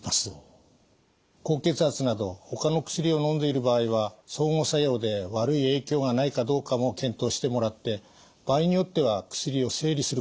高血圧などほかの薬をのんでいる場合は相互作用で悪い影響がないかどうかも検討してもらって場合によっては薬を整理することもあります。